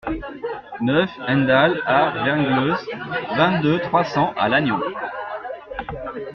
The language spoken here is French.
neuf hent-Dall ar Vengleuz, vingt-deux, trois cents à Lannion